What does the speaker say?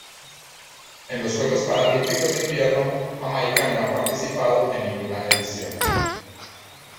En los Juegos Paralímpicos de Invierno Jamaica no ha participado en ninguna edición.